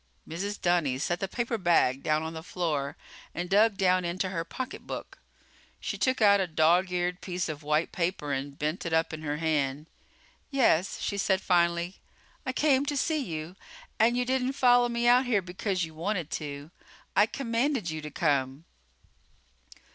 Mrs. Dunny set the paper bag down on the floor and dug down into her pocketbook. She took out a dog eared piece of white paper and bent it up in her hand. "Yes," she said finally. "I came to see you. And you didn't follow me out here because you wanted to. I commanded you to come."